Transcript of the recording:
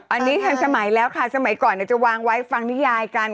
อันนี้ทันสมัยแล้วค่ะสมัยก่อนจะวางไว้ฟังนิยายกัน